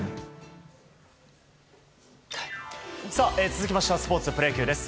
続きましてはスポーツプロ野球です。